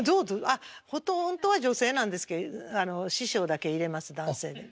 あっほとんどは女性なんですけど師匠だけ入れます男性で。